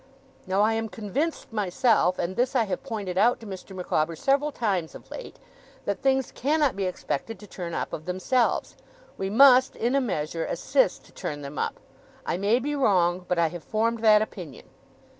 Now I am convinced, myself, and this I have pointed out to Mr. Micawber several times of late, that things cannot be expected to turn up of themselves. We must, in a measure, assist to turn them up. I may be wrong, but I have formed that opinion.